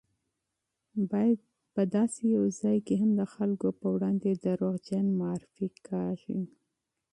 بلکې په داسې یو ځای کې هم د خلکو پر وړاندې دروغجن معرفي کېږي